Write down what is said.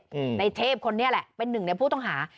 อืมในเทพคนนี้น่ะเป็นหนึ่งภูตังหา